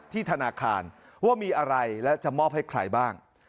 ธนาคารว่ามีอะไรและจะมอบให้ใครบ้าง